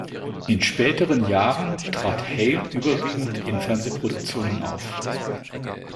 In späteren Jahren trat Hale überwiegend in Fernsehproduktionen auf.